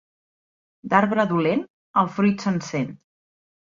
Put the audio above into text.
D'arbre dolent, el fruit se'n sent.